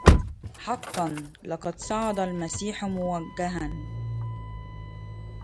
حقا لقد صعد المسيح موجها